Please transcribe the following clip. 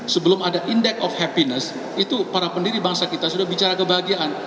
sebelum ada index of happiness itu para pendiri bangsa kita sudah bicara kebahagiaan